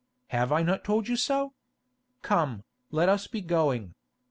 Have I not told you so? Come, let us be going.